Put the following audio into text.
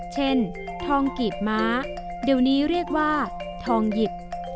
เช่นทองกีบม้าเดี๋ยวนี้เรียกว่าทองหยิบ